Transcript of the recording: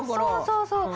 そうそうそう。